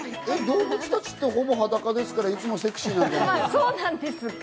動物たちってほぼ裸ですから、いつもセクシーなんじゃないですか？